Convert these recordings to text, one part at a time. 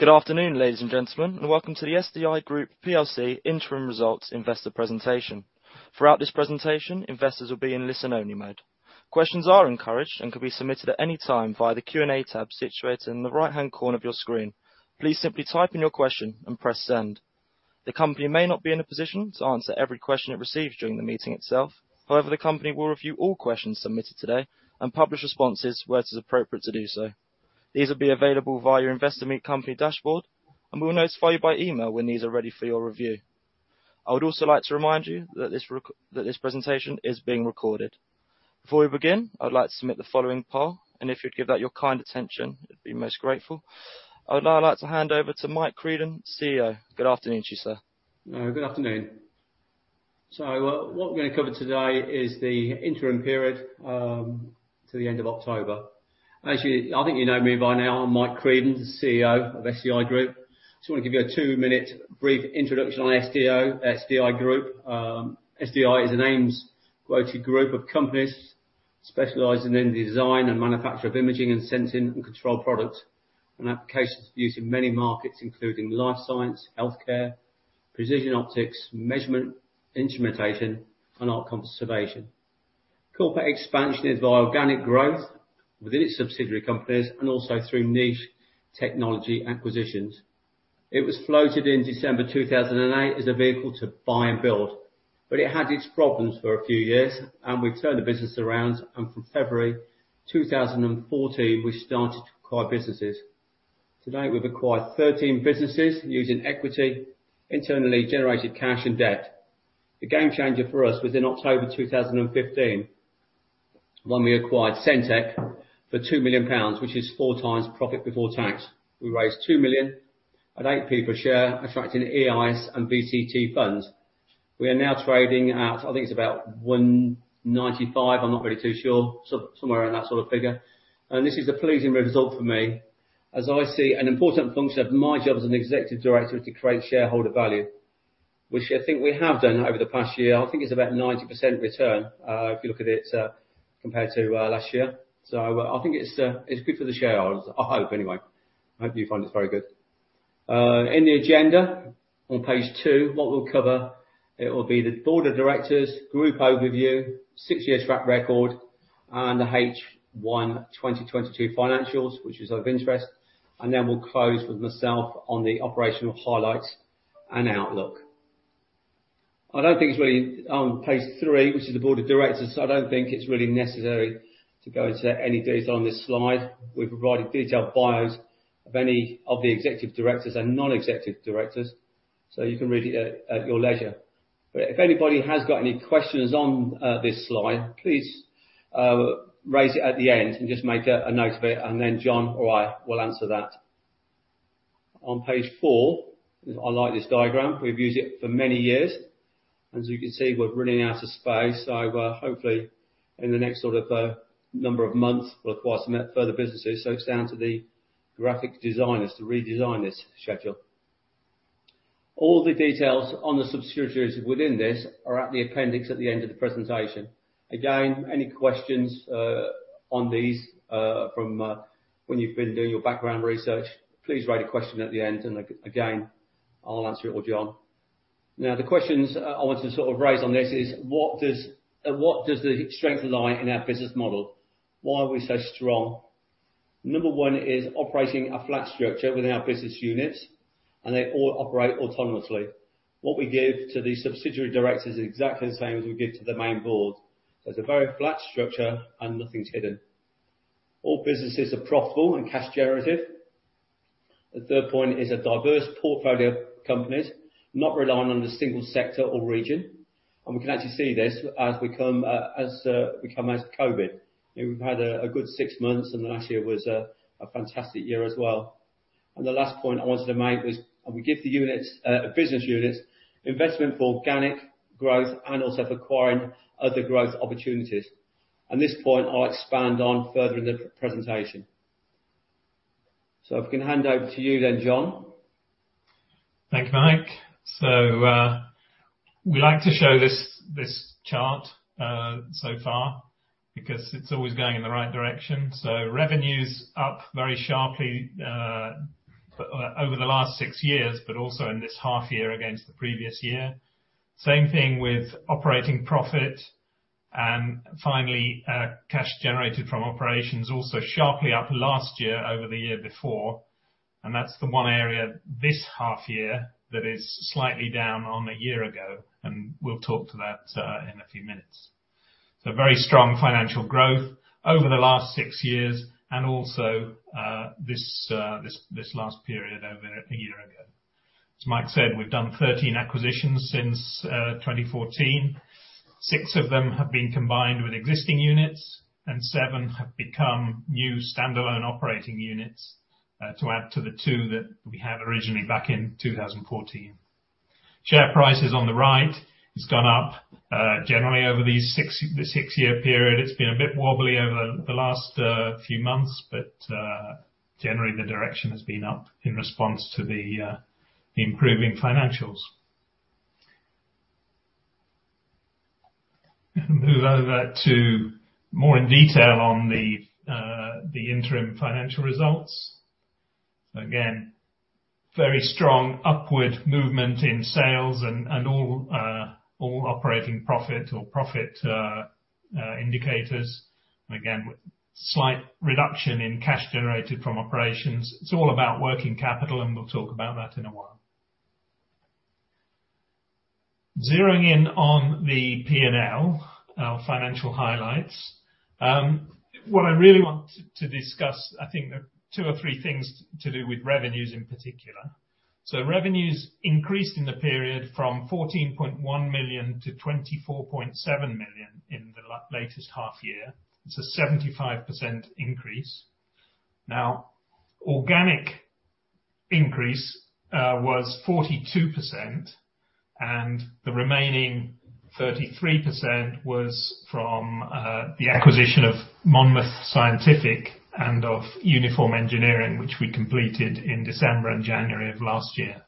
Good afternoon, ladies and gentlemen, and welcome to the SDI Group plc Interim Results Investor Presentation. Throughout this presentation, investors will be in listen-only mode. Questions are encouraged and can be submitted at any time via the Q&A tab situated in the right-hand corner of your screen. Please simply type in your question and press send. The company may not be in a position to answer every question it receives during the meeting itself. However, the company will review all questions submitted today and publish responses where it is appropriate to do so. These will be available via your Investor Meet Company dashboard, and we will notify you by email when these are ready for your review. I would also like to remind you that that this presentation is being recorded. Before we begin, I would like to submit the following poll, and if you'd give that your kind attention, I'd be most grateful. I would now like to hand over to Mike Creedon, CEO. Good afternoon to you, sir. Good afternoon. What we're gonna cover today is the interim period to the end of October. Actually, I think you know me by now. I'm Mike Creedon, the CEO of SDI Group. Just wanna give you a two-minute brief introduction on SDI Group. SDI is an AIM quoted group of companies specializing in design and manufacture of imaging and sensing and control products and applications used in many markets, including life science, healthcare, precision optics, measurement, instrumentation, and art conservation. Corporate expansion is by organic growth within its subsidiary companies and also through niche technology acquisitions. It was floated in December 2008 as a vehicle to buy and build, but it had its problems for a few years, and we've turned the business around, and from February 2014, we started to acquire businesses. To date, we've acquired 13 businesses using equity, internally generated cash and debt. The game changer for us was in October 2015, when we acquired Sentek for 2 million pounds, which is 4x profit before tax. We raised 2 million at eight pence a share, attracting EIS and VCT funds. We are now trading at, I think it's about 195. I'm not really too sure. Somewhere in that sort of figure. This is a pleasing result for me, as I see an important function of my job as an Executive Director is to create shareholder value, which I think we have done over the past year. I think it's about 90% return, if you look at it, compared to last year. I think it's good for the shareholders, I hope anyway. I hope you find this very good. In the agenda on page two, what we'll cover, it will be the Board of Directors, group overview, six-year track record, and the H1 2022 financials, which is of interest. We'll close with myself on the operational highlights and outlook. I don't think it's really page three, which is the Board of Directors. I don't think it's really necessary to go into any detail on this slide. We've provided detailed bios of any of the Executive Directors and Non-Executive Directors, so you can read it at your leisure. If anybody has got any questions on this slide, please raise it at the end and just make a note of it, and then John or I will answer that. On page four, I like this diagram. We've used it for many years. As you can see, we're running out of space. Hopefully, in the next sort of number of months, we'll acquire some further businesses. It's down to the Graphic Designers to redesign this schedule. All the details on the subsidiaries within this are at the appendix at the end of the presentation. Again, any questions on these from when you've been doing your background research, please write a question at the end. Again, I'll answer it or John. Now, the questions I want to sort of raise on this is what does the strength lie in our business model? Why are we so strong? Number one is operating a flat structure within our business units, and they all operate autonomously. What we give to the subsidiary Directors is exactly the same as we give to the main Board. There's a very flat structure and nothing's hidden. All businesses are profitable and cash generative. The third point is a diverse portfolio of companies not reliant on the single sector or region. We can actually see this as we come out of COVID. We've had a good six months, and last year was a fantastic year as well. The last point I wanted to make was, and we give the units, business units, investment for organic growth and also for acquiring other growth opportunities. At this point, I'll expand on further in the presentation. If I can hand over to you then, John. Thank you, Mike. We like to show this chart so far because it's always going in the right direction. Revenue's up very sharply over the last six years, but also in this half year against the previous year. Same thing with operating profit. Finally, cash generated from operations also sharply up last year over the year before. That's the one area this half year that is slightly down on a year ago, and we'll talk to that in a few minutes. Very strong financial growth over the last six years and also this last period over a year ago. As Mike said, we've done 13 acquisitions since 2014. Six of them have been combined with existing units, and seven have become new standalone operating units, to add to the two that we had originally back in 2014. Share prices on the right has gone up, generally over these six-year period. It's been a bit wobbly over the last, few months, but, generally the direction has been up in response to the improving financials. Move over to more in detail on the interim financial results. Again, very strong upward movement in sales and all operating profit or profit, indicators. Again, slight reduction in cash generated from operations. It's all about working capital, and we'll talk about that in a while. Zeroing in on the P&L, our financial highlights, what I really want to discuss, I think there are two or three things to do with revenues in particular. Revenues increased in the period from 14.1 million to 24.7 million in the latest half year. It's a 75% increase. Now, organic increase was 42%, and the remaining 33% was from the acquisition of Monmouth Scientific and of Uniform Engineering, which we completed in December and January of last year.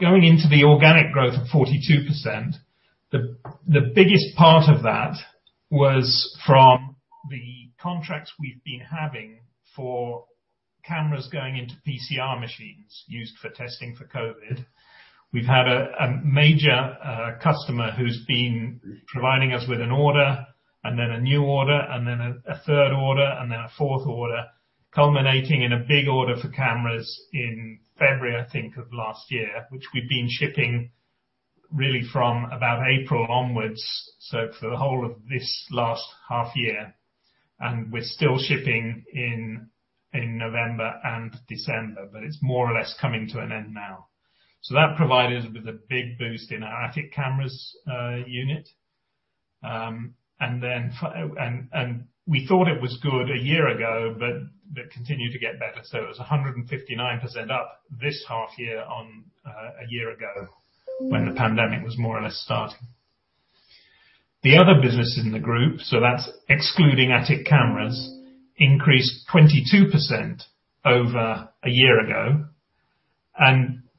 Going into the organic growth of 42%, the biggest part of that was from the contracts we've been having for cameras going into PCR machines used for testing for COVID. We've had a major customer who's been providing us with an order and then a new order and then a third order and then a fourth order, culminating in a big order for cameras in February, I think, of last year, which we've been shipping really from about April onwards, so for the whole of this last half year, and we're still shipping in November and December, but it's more or less coming to an end now. That provided us with a big boost in our Atik Cameras unit. We thought it was good a year ago, but it continued to get better. It was 159% up this half year on a year ago when the pandemic was more or less starting. The other businesses in the Group, so that's excluding Atik Cameras, increased 22% over a year ago.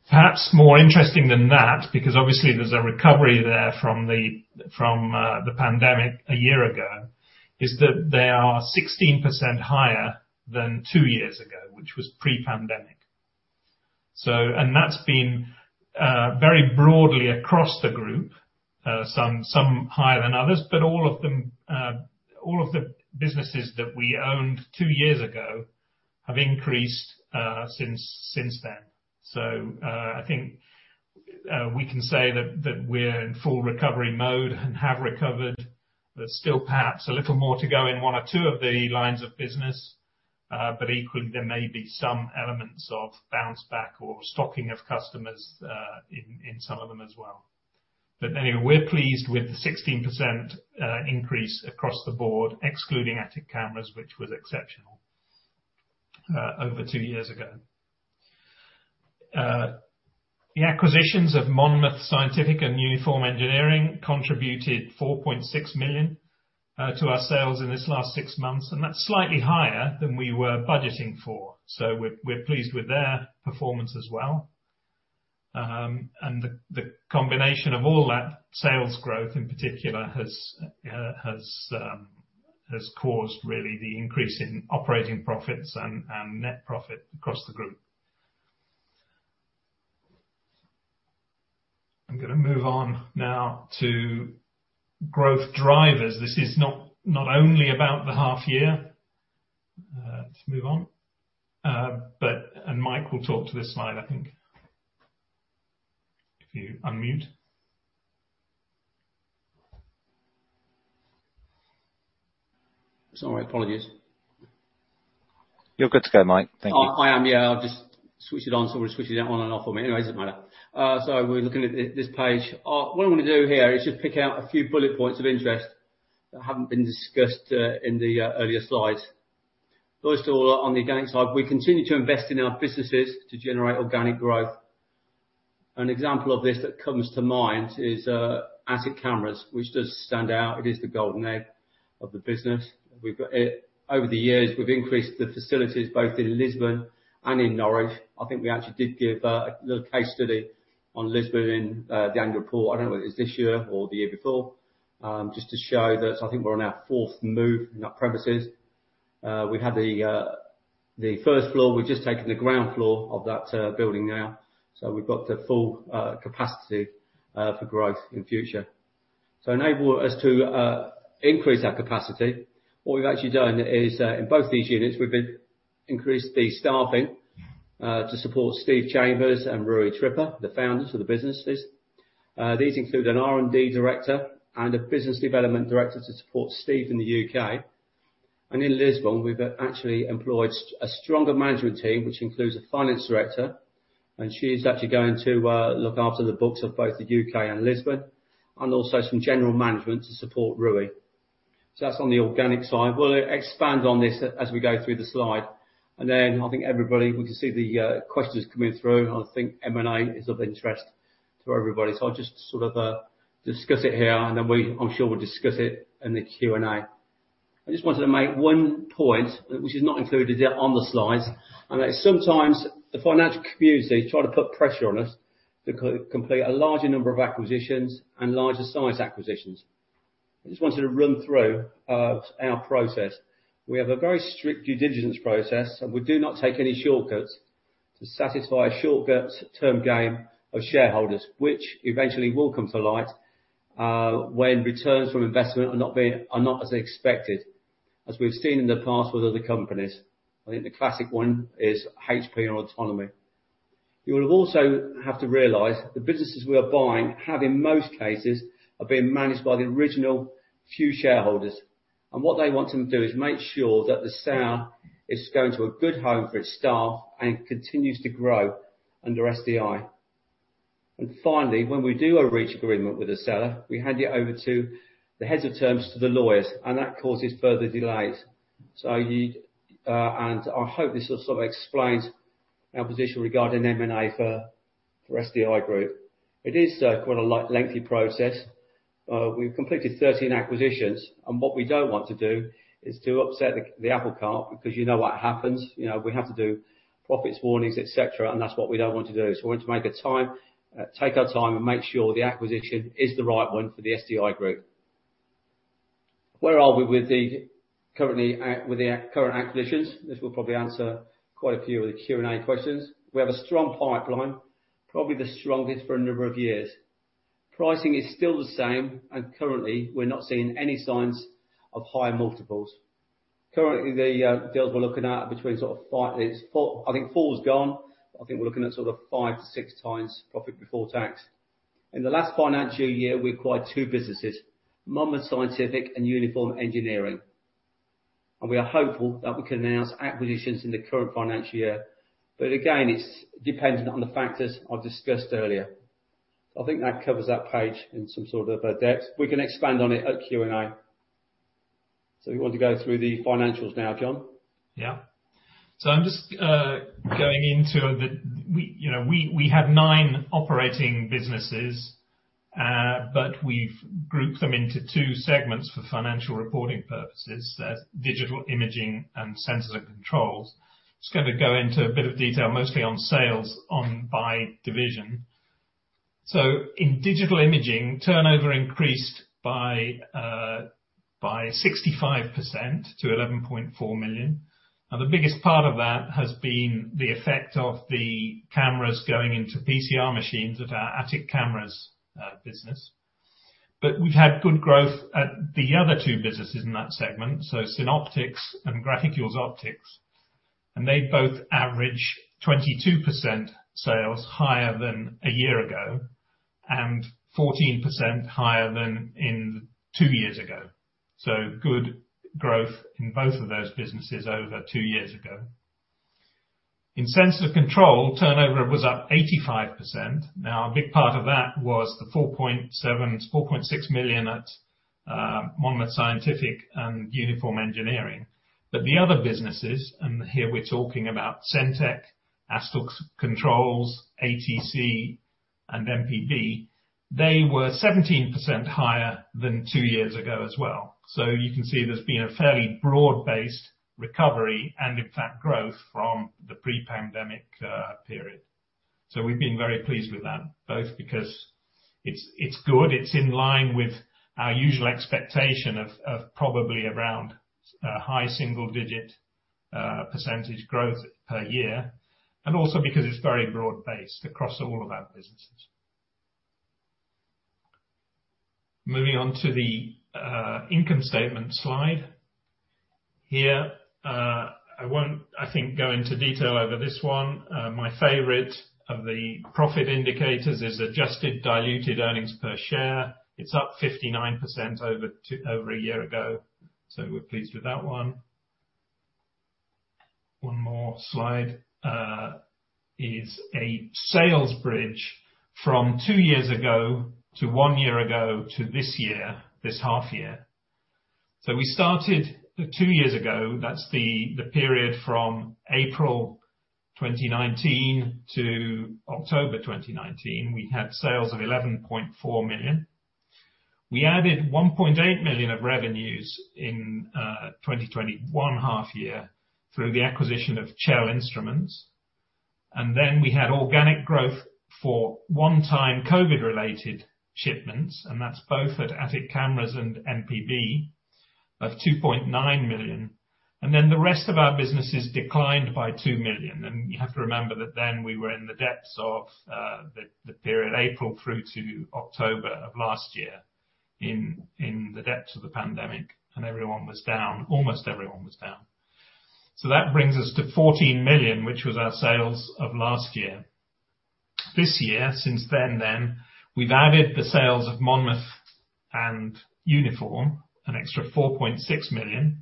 Perhaps more interesting than that, because obviously there's a recovery there from the pandemic a year ago, is that they are 16% higher than two years ago, which was pre-pandemic. That's been very broadly across the Group, some higher than others, but all of them, all of the businesses that we owned two years ago have increased since then. I think we can say that we're in full recovery mode and have recovered. There's still perhaps a little more to go in one or two of the lines of business, but equally, there may be some elements of bounce back or stocking of customers in some of them as well. We're pleased with the 16% increase across the Board, excluding Atik Cameras, which was exceptional over two years ago. The acquisitions of Monmouth Scientific and Uniform Engineering contributed 4.6 million to our sales in this last six months, and that's slightly higher than we were budgeting for. We're pleased with their performance as well. The combination of all that sales growth, in particular, has caused really the increase in operating profits and net profit across the Group. I'm gonna move on now to growth drivers. This is not only about the half year. Let's move on. Mike will talk to this slide, I think. If you unmute. Sorry, apologies. You're good to go, Mike. Thank you. I've just switched it on, somebody switched it on and off for me. Anyways, it doesn't matter. We're looking at this page. What I wanna do here is just pick out a few bullet points of interest that haven't been discussed in the earlier slides. First of all, on the organic side, we continue to invest in our businesses to generate organic growth. An example of this that comes to mind is Atik Cameras, which does stand out. It is the golden egg of the business. We've got it. Over the years, we've increased the facilities both in Lisbon and in Norwich. I think we actually did give a little case study on Lisbon in the annual report. I don't know whether it's this year or the year before. Just to show that I think we're on our fourth move in that premises. We had the first floor. We've just taken the ground floor of that building now. We've got the full capacity for growth in future. To enable us to increase our capacity, what we've actually done is, in both these units, we've increased the staffing to support Steve Chambers and Rui Tripa, the founders of the businesses. These include an R&D Director and a Business Development Director to support Steve in the U.K. In Lisbon, we've actually employed a stronger management team, which includes a Finance Director, and she's actually going to look after the books of both the U.K. and Lisbon, and also some general management to support Rui. That's on the organic side. We'll expand on this as we go through the slide. I think everybody, we can see the questions coming through. I think M&A is of interest to everybody. I'll just sort of discuss it here, and then I'm sure we'll discuss it in the Q&A. I just wanted to make one point which is not included here on the slides, and that is sometimes the financial community try to put pressure on us to complete a larger number of acquisitions and larger size acquisitions. I just wanted to run through our process. We have a very strict due diligence process, and we do not take any shortcuts to satisfy a short-term gain of shareholders, which eventually will come to light when returns from investment are not as expected as we've seen in the past with other companies. I think the classic one is HP and Autonomy. You will also have to realize the businesses we are buying have, in most cases, are being managed by the original few shareholders, and what they want to do is make sure that the sale is going to a good home for its staff and continues to grow under SDI. Finally, when we do reach agreement with the seller, we hand it over to the heads of terms to the lawyers, and that causes further delays. I hope this sort of explains our position regarding M&A for SDI Group. It is quite a lengthy process. We've completed 13 acquisitions, and what we don't want to do is to upset the apple cart because you know what happens. You know, we have to do profits warnings, et cetera, and that's what we don't want to do. We want to take our time and make sure the acquisition is the right one for the SDI Group. Where are we with the current acquisitions? This will probably answer quite a few of the Q&A questions. We have a strong pipeline, probably the strongest for a number of years. Pricing is still the same, and currently, we're not seeing any signs of higher multiples. Currently, the deals we're looking at are between sort of 5, it's 4. I think 4 is gone. I think we're looking at sort of 5-6x profit before tax. In the last financial year, we acquired two businesses, Monmouth Scientific and Uniform Engineering. We are hopeful that we can announce acquisitions in the current financial year. Again, it's dependent on the factors I've discussed earlier. I think that covers that page in some sort of depth. We can expand on it at Q&A. You want to go through the financials now, John? Yeah. I'm just going into. We, you know, we have nine operating businesses, but we've grouped them into two segments for financial reporting purposes. That's Digital Imaging and Sensors & Control. Just gonna go into a bit of detail, mostly on sales by division. In Digital Imaging, turnover increased by 65% to 11.4 million. Now, the biggest part of that has been the effect of the cameras going into PCR machines at our Atik Cameras business. We've had good growth at the other two businesses in that segment, so Synoptics and Graticules Optics, and they both average 22% sales higher than a year ago and 14% higher than two years ago. Good growth in both of those businesses over two years ago. In Sensors & Control, turnover was up 85%. Now, a big part of that was the 4.7 million, 4.6 million at Monmouth Scientific and Uniform Engineering. But the other businesses, and here we're talking about Sentek, Astles Control Systems, Applied Thermal Control and MPB, they were 17% higher than two years ago as well. You can see there's been a fairly broad-based recovery and, in fact, growth from the pre-pandemic period. We've been very pleased with that, both because it's good, it's in line with our usual expectation of probably around high single-digit percentage growth per year, and also because it's very broad-based across all of our businesses. Moving on to the income statement slide. Here, I won't, I think, go into detail over this one. My favorite of the profit indicators is adjusted diluted earnings per share. It's up 59% over a year ago, so we're pleased with that one. One more slide is a sales bridge from two years ago to one year ago to this year, this half year. We started two years ago. That's the period from April 2019 to October 2019. We had sales of 11.4 million. We added 1.8 million of revenues in 2021 half year through the acquisition of Chell Instruments. We had organic growth for one-time COVID-related shipments, and that's both at Atik Cameras and MPB, of 2.9 million. The rest of our businesses declined by 2 million. You have to remember that then we were in the depths of the period April through to October of last year in the depths of the pandemic, and everyone was down. Almost everyone was down. That brings us to 14 million, which was our sales of last year. This year, since then, we've added the sales of Monmouth and Uniform, an extra 4.6 million,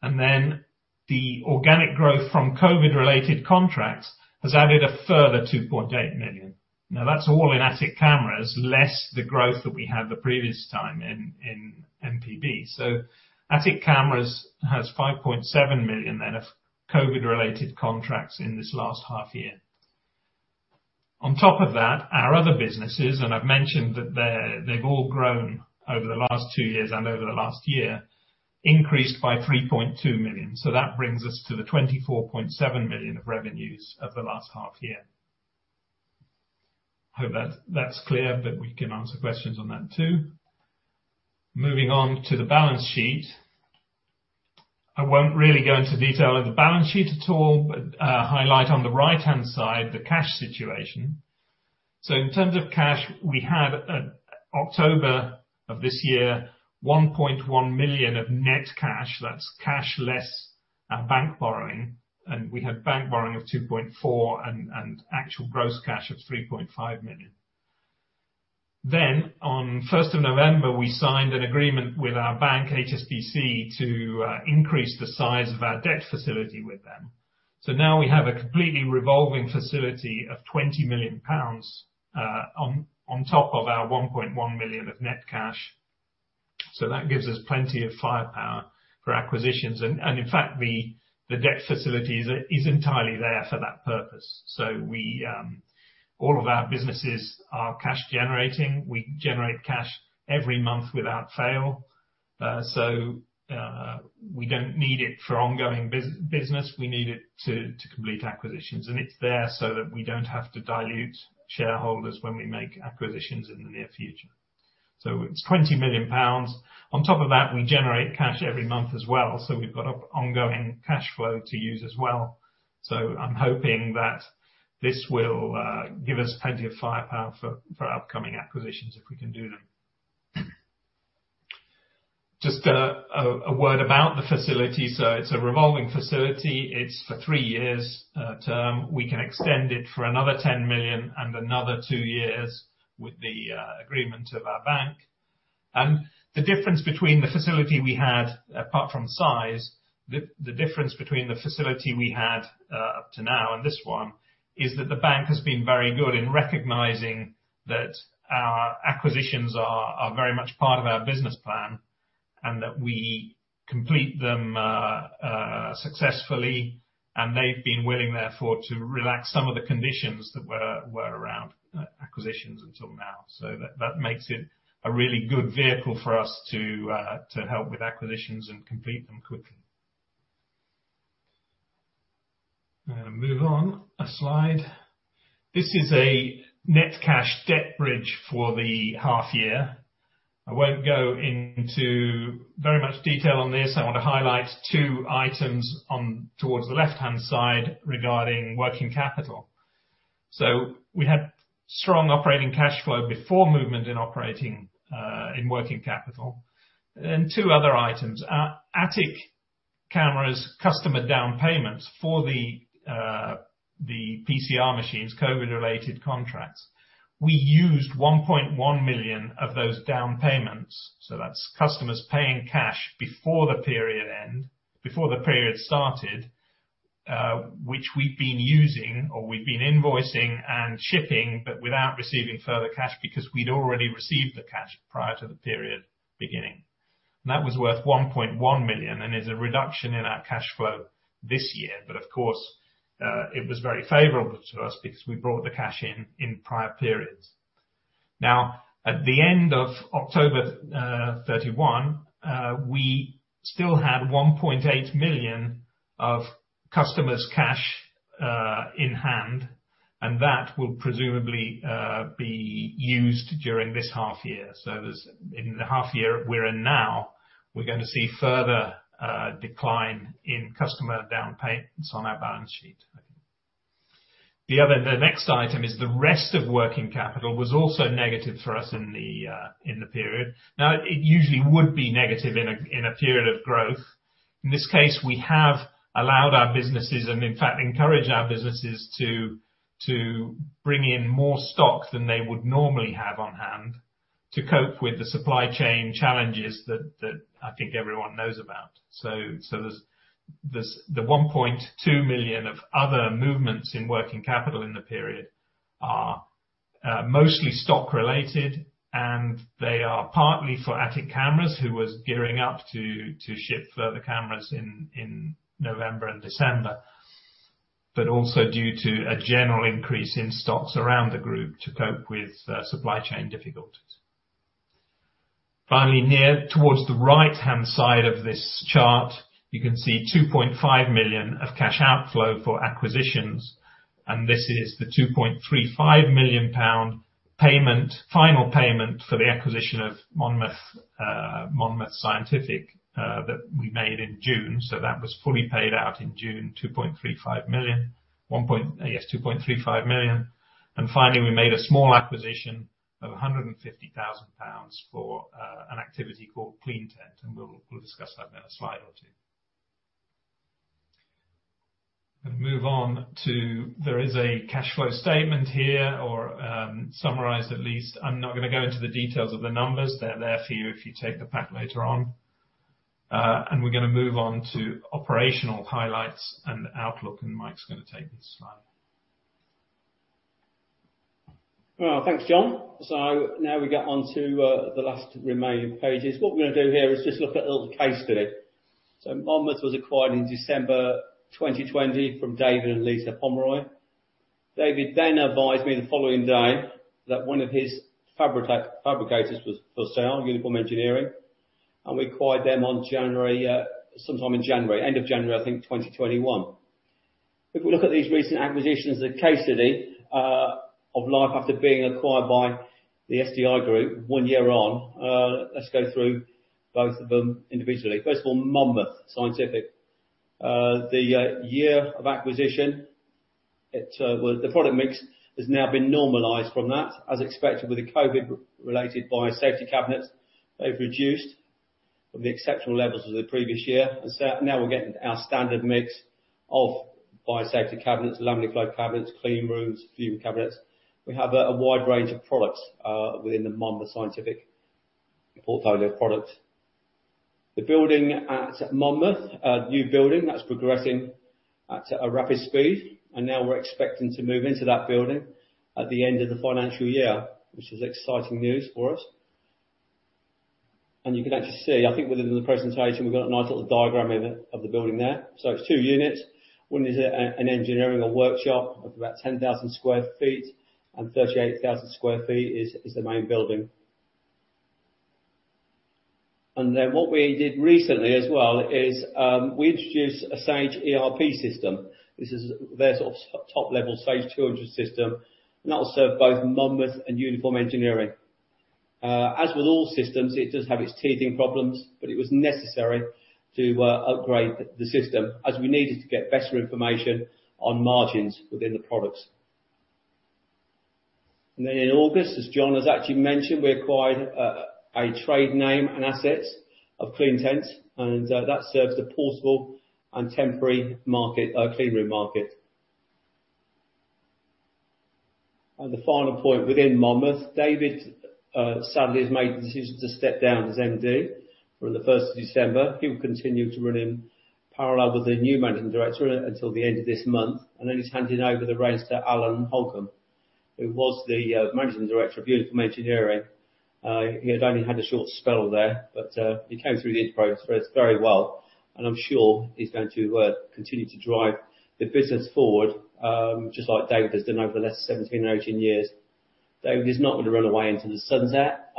and then the organic growth from COVID-related contracts has added a further 2.8 million. Now, that's all in Atik Cameras, less the growth that we had the previous time in MPB. Atik Cameras has 5.7 million then of COVID-related contracts in this last half year. On top of that, our other businesses, and I've mentioned that they've all grown over the last two years and over the last year, increased by 3.2 million. That brings us to the 24.7 million of revenues of the last half year. Hope that's clear, but we can answer questions on that too. Moving on to the balance sheet. I won't really go into detail of the balance sheet at all, but highlight on the right-hand side the cash situation. In terms of cash, we had, at October of this year, 1.1 million of net cash. That's cash less our bank borrowing, and we had bank borrowing of 2.4 million and actual gross cash of 3.5 million. On first of November, we signed an agreement with our bank, HSBC, to increase the size of our debt facility with them. Now we have a completely revolving facility of 20 million pounds on top of our 1.1 million of net cash. That gives us plenty of firepower for acquisitions. In fact, the debt facility is entirely there for that purpose. All of our businesses are cash generating. We generate cash every month without fail. We don't need it for ongoing business. We need it to complete acquisitions, and it's there so that we don't have to dilute shareholders when we make acquisitions in the near future. It's 20 million pounds. On top of that, we generate cash every month as well, so we've got an ongoing cash flow to use as well. I'm hoping that this will give us plenty of firepower for upcoming acquisitions if we can do them. Just a word about the facility. It's a revolving facility. It's for three-year term. We can extend it for another 10 million and another two years with the agreement of our bank. The difference between the facility we had, apart from size, up to now and this one is that the bank has been very good in recognizing that our acquisitions are very much part of our business plan and that we complete them successfully. They've been willing, therefore, to relax some of the conditions that were around acquisitions until now. That makes it a really good vehicle for us to help with acquisitions and complete them quickly. I'm gonna move on a slide. This is a net cash debt bridge for the half year. I won't go into very much detail on this. I want to highlight two items on towards the left-hand side regarding working capital. We had strong operating cash flow before movement in operating, in working capital. Two other items. Atik Cameras customer down payments for the PCR machines, COVID-related contracts, we used 1.1 million of those down payments. That's customers paying cash before the period end, before the period started, which we've been using or we've been invoicing and shipping, but without receiving further cash because we'd already received the cash prior to the period beginning. That was worth 1.1 million and is a reduction in our cash flow this year. Of course, it was very favorable to us because we brought the cash in in prior periods. Now, at the end of October 31, we still had 1.8 million of customers cash in hand, and that will presumably be used during this half year. As in the half year we're in now, we're gonna see further decline in customer down payments on our balance sheet. The next item is the rest of working capital was also negative for us in the period. It usually would be negative in a period of growth. In this case, we have allowed our businesses, and in fact, encourage our businesses to bring in more stock than they would normally have on hand to cope with the supply chain challenges that I think everyone knows about. So there's 1.2 million of other movements in working capital in the period are mostly stock related, and they are partly for Atik Cameras, who was gearing up to ship further cameras in November and December, but also due to a general increase in stocks around the Group to cope with the supply chain difficulties. Finally, near towards the right-hand side of this chart, you can see 2.5 million of cash outflow for acquisitions, and this is the 2.35 million pound payment, final payment for the acquisition of Monmouth Scientific that we made in June. That was fully paid out in June, 2.35 million. Finally, we made a small acquisition of 150,000 pounds for an activity called Clean Tent, and we'll discuss that in a slide or two. Let's move on. There is a cash flow statement here or summarized at least. I'm not gonna go into the details of the numbers. They're there for you if you take the pack later on. We're gonna move on to operational highlights and outlook, and Mike's gonna take this slide. Well, thanks, John. Now we get on to the last remaining pages. What we're gonna do here is just look at a little case study. Monmouth was acquired in December 2020 from David and Lisa Pomeroy. David then advised me the following day that one of his fabricators was for sale, Uniform Engineering, and we acquired them on January, sometime in January, end of January, I think, 2021. If we look at these recent acquisitions, the case study of life after being acquired by the SDI Group one year on, let's go through both of them individually. First of all, Monmouth Scientific. The year of acquisition, well, the product mix has now been normalized from that, as expected with the COVID-related biosafety cabinets. They've reduced from the exceptional levels of the previous year. Now we're getting our standard mix of biosafety cabinets, laminar flow cabinets, clean rooms, fume cabinets. We have a wide range of products within the Monmouth Scientific portfolio of products. The building at Monmouth, new building, that's progressing at a rapid speed, and now we're expecting to move into that building at the end of the financial year, which is exciting news for us. You can actually see, I think within the presentation, we've got a nice little diagram in it, of the building there. It's two units. One is an engineering workshop of about 10,000 sq ft, and 38,000 sq ft is the main building. Then what we did recently as well is we introduced a Sage ERP system. This is their sort of top level Sage 200 system, and that will serve both Monmouth and Uniform Engineering. As with all systems, it does have its teething problems, but it was necessary to upgrade the system as we needed to get better information on margins within the products. Then in August, as John has actually mentioned, we acquired a trade name and assets of Clean Tent, and that serves the portable and temporary market, clean room market. The final point within Monmouth, David sadly has made the decision to step down as MD from the first of December. He will continue to run in parallel with the new Managing Director until the end of this month, and then he's handing over the reins to Alan Holcombe, who was the Managing Director of Uniform Engineering. He has only had a short spell there, but he came through the interview process very well, and I'm sure he's going to continue to drive the business forward, just like David has done over the last 17 or 18 years. David is not gonna run away into the sunset.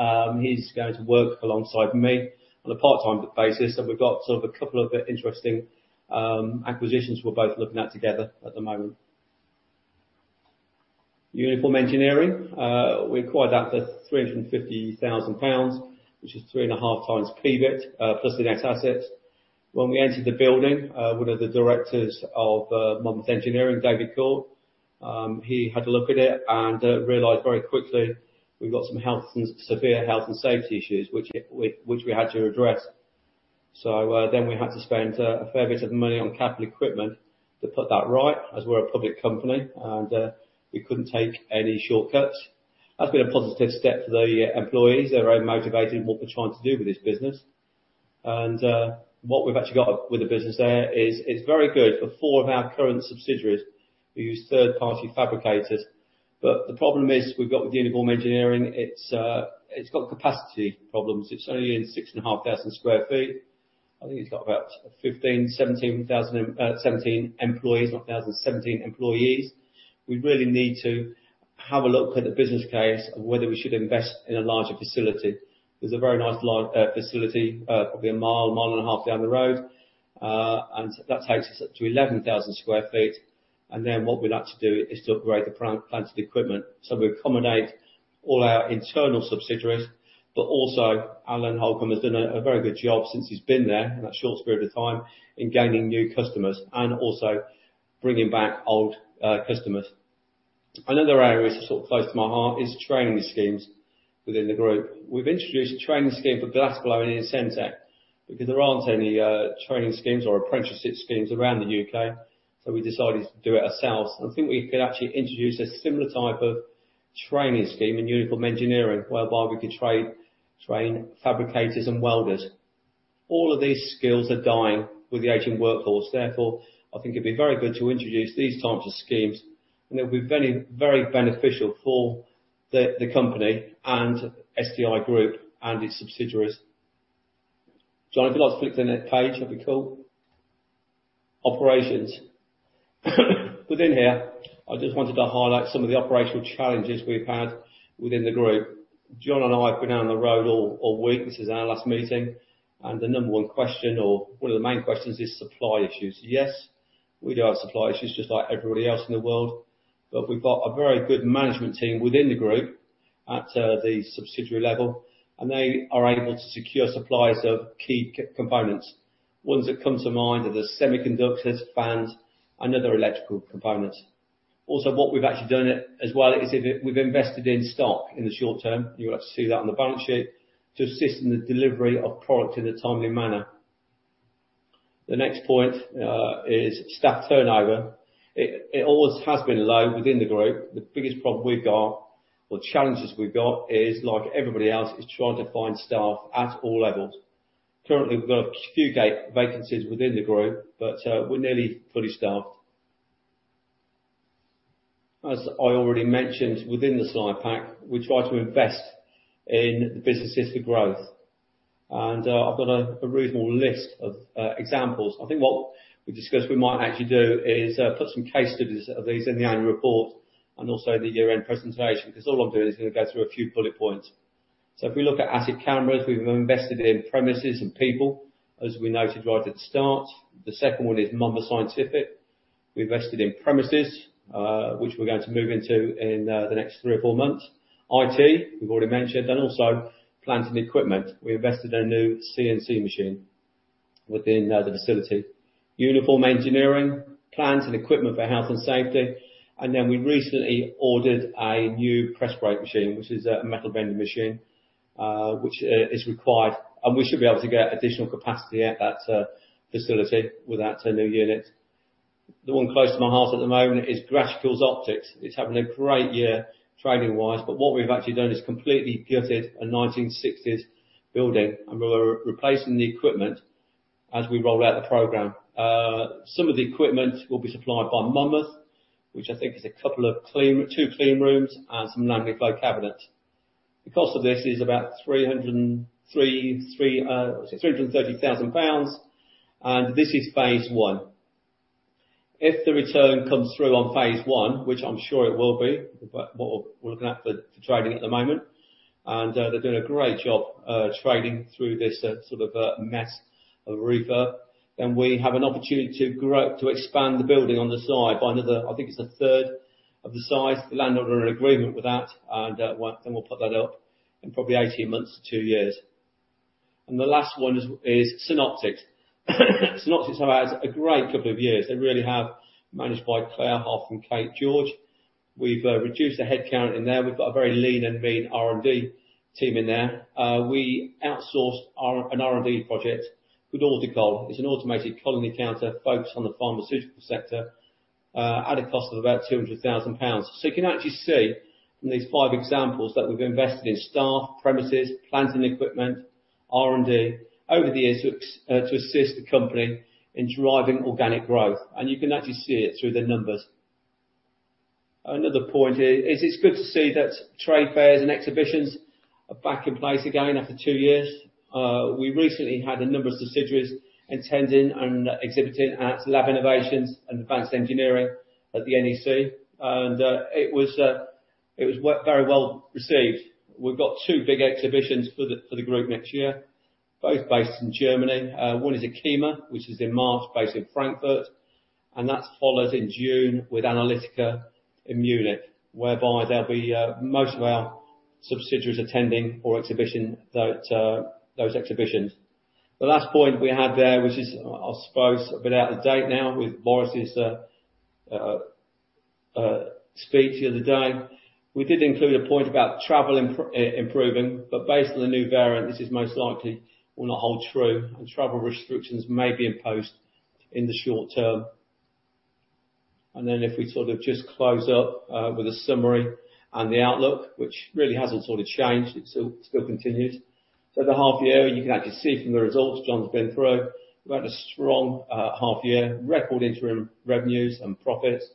He's going to work alongside me on a part-time basis, and we've got sort of a couple of interesting acquisitions we're both looking at together at the moment. Uniform Engineering, we acquired that for 350,000 pounds, which is 3.5x EBIT, plus the net assets. When we entered the building, one of the Directors of Monmouth Engineering, David Cole, he had a look at it and realized very quickly we've got some severe health and safety issues, which we had to address. We had to spend a fair bit of money on capital equipment to put that right, as we're a public company, and we couldn't take any shortcuts. That's been a positive step for the employees. They're very motivated in what we're trying to do with this business. What we've actually got with the business there is it's very good. In four of our current subsidiaries, we use third-party fabricators, but the problem we've got with Uniform Engineering is it's got capacity problems. It's only in 6,500 sq ft. I think it's got about 15,000-17,000, 17 employees, not thousand, 17 employees. We really need to have a look at the business case of whether we should invest in a larger facility. There's a very nice facility, probably a mile and a half down the road, and that takes us up to 11,000 sq ft, and then what we'd like to do is to upgrade the plants and equipment so we can accommodate all our internal subsidiaries. Alan Holcombe has done a very good job since he's been there in that short period of time in gaining new customers and also bringing back old customers. Another area sort of close to my heart is training schemes within the Group. We've introduced a training scheme for glassblowing in Sentek because there aren't any training schemes or apprenticeship schemes around the U.K., so we decided to do it ourselves. I think we could actually introduce a similar type of training scheme in Uniform Engineering, whereby we could train fabricators and welders. All of these skills are dying with the aging workforce. Therefore, I think it'd be very good to introduce these types of schemes, and it'll be very beneficial for the company and SDI Group and its subsidiaries. John, if you'd like to flip to the next page, that'd be cool. Operations. Within here, I just wanted to highlight some of the operational challenges we've had within the Group. John and I have been down the road all week. This is our last meeting, and the number one question or one of the main questions is supply issues. Yes, we do have supply issues just like everybody else in the world. We've got a very good management team within the Group at the subsidiary level, and they are able to secure supplies of key components. Ones that come to mind are the semiconductors, fans, and other electrical components. Also, what we've actually done as well is we've invested in stock in the short term. You'll have to see that on the balance sheet to assist in the delivery of product in a timely manner. The next point is staff turnover. It always has been low within the Group. The biggest problem we've got or challenges we've got is, like everybody else, is trying to find staff at all levels. Currently, we've got a few vacancies within the Group, but we're nearly fully staffed. As I already mentioned within the slide pack, we try to invest in the businesses for growth. I've got a reasonable list of examples. I think what we discussed we might actually do is put some case studies of these in the annual report and also in the year-end presentation. Because all I'll do is gonna go through a few bullet points. If we look at Atik Cameras, we've invested in premises and people, as we noted right at the start. The second one is Monmouth Scientific. We invested in premises, which we're going to move into in the next three or four months. IT, we've already mentioned, and also plant and equipment. We invested in a new CNC machine within the facility. Uniform Engineering, plant and equipment for health and safety. We recently ordered a new press brake machine, which is a metal bending machine, which is required. We should be able to get additional capacity at that facility with that new unit. The one close to my heart at the moment is Graticules Optics. It's having a great year trading-wise, but what we've actually done is completely gutted a 1960s building and we're replacing the equipment as we roll out the program. Some of the equipment will be supplied by Monmouth, which I think is two clean rooms and some laminar flow cabinets. The cost of this is about 330,000 pounds, and this is phase one. If the return comes through on phase one, which I'm sure it will be, but what we're looking at for trading at the moment, and they're doing a great job trading through this sort of mess of refurb, then we have an opportunity to grow to expand the building on the side by another, I think it's a third of the size. The landowner agreement with that and then we'll put that up in probably 18 months to two years. The last one is Synoptics. Synoptics has had a great couple of years. They really have. Managed by Claire Hough and Kate George. We've reduced the headcount in there. We've got a very lean and mean R&D team in there. We outsourced an R&D project with AutoCOL. It's an automated colony counter focused on the pharmaceutical sector at a cost of about 200,000 pounds. You can actually see from these five examples that we've invested in staff, premises, plant and equipment, R&D over the years to assist the company in driving organic growth. You can actually see it through the numbers. Another point here is it's good to see that trade fairs and exhibitions are back in place again after two years. We recently had a number of subsidiaries attending and exhibiting at Lab Innovations and Advanced Engineering at the NEC. It was very well received. We've got two big exhibitions for the Group next year, both based in Germany. One is ACHEMA, which is in March, based in Frankfurt, and that's followed in June with Analytica in Munich, whereby there'll be most of our subsidiaries attending our exhibitions. The last point we had there, which is, I suppose a bit out of date now with Boris's speech the other day. We did include a point about travel improving, but based on the new variant, this is most likely will not hold true, and travel restrictions may be imposed in the short term. If we sort of just close up with a summary and the outlook, which really hasn't sort of changed. It still continues. The half year, you can actually see from the results John's been through. We've had a strong half year, record interim revenues and profits.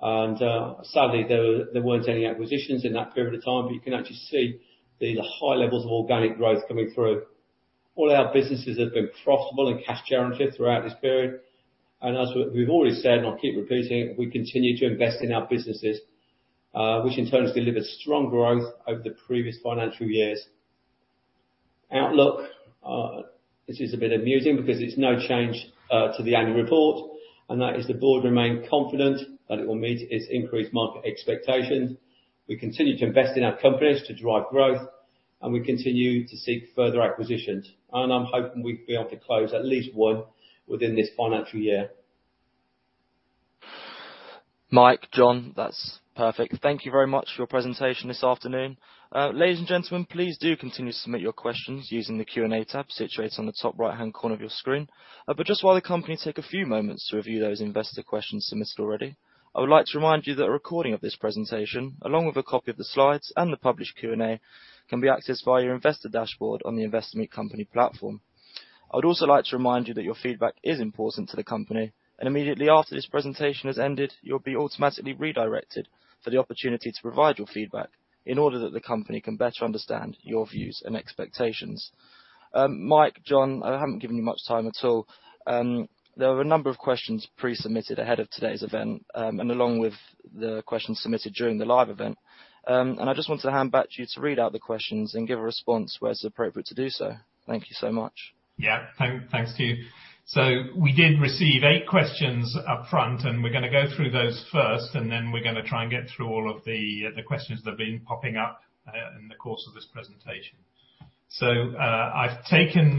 Sadly, there weren't any acquisitions in that period of time, but you can actually see the high levels of organic growth coming through. All our businesses have been profitable and cash generative throughout this period. As we've already said, and I'll keep repeating it, we continue to invest in our businesses, which in turn has delivered strong growth over the previous financial years. Outlook. This is a bit amusing because it's no change to the annual report, and that is the Board remain confident that it will meet its increased market expectations. We continue to invest in our companies to drive growth, and we continue to seek further acquisitions. I'm hoping we'll be able to close at least one within this financial year. Mike, John, that's perfect. Thank you very much for your presentation this afternoon. Ladies and gentlemen, please do continue to submit your questions using the Q&A tab situated on the top right-hand corner of your screen. Just while the company take a few moments to review those investor questions submitted already, I would like to remind you that a recording of this presentation, along with a copy of the slides and the published Q&A, can be accessed via your investor dashboard on the Investor Meet Company platform. I would also like to remind you that your feedback is important to the company, and immediately after this presentation has ended, you'll be automatically redirected for the opportunity to provide your feedback in order that the company can better understand your views and expectations. Mike, John, I haven't given you much time at all. There were a number of questions pre-submitted ahead of today's event, and along with the questions submitted during the live event. I just want to hand back to you to read out the questions and give a response where it's appropriate to do so. Thank you so much. Yeah. Thanks to you. We did receive eight questions up front, and we're gonna go through those first, and then we're gonna try and get through all of the questions that have been popping up in the course of this presentation. I've taken